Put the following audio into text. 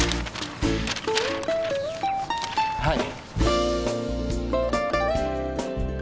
はい。